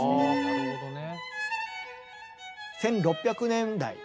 なるほどね。